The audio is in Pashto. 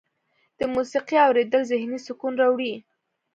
د موسیقۍ اوریدل ذهني سکون راوړي.